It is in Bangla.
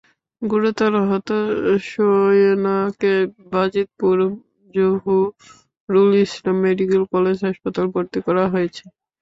গুরুতর আহত সোয়েনাকে বাজিতপুর জহুরুল ইসলাম মেডিকেল কলেজ হাসপাতালে ভর্তি করা হয়েছে।